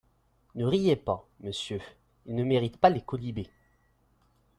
Ne riez pas, monsieur, ils ne méritent pas les quolibets.